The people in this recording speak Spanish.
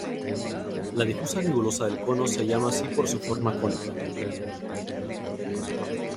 La difusa nebulosa del cono se llama así por su forma cónica.